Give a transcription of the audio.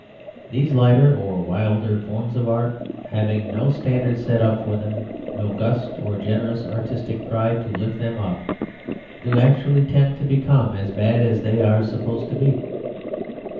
These lighter or wilder forms of art, having no standard set up for them, no gust of generous artistic pride to lift them up, do actually tend to become as bad as they are supposed to be.